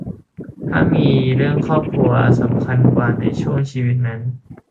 ถ้ามีเรื่องครอบครัวสำคัญกว่าในช่วงชีวิตนั้น